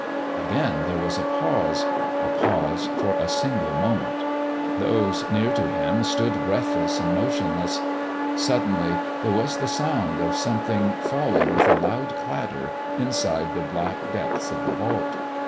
Again there was a pause a pause for a single moment. Those near to Him stood breathless and motionless. Suddenly there was the sound of something falling with a loud clatter inside the black depths of the vault.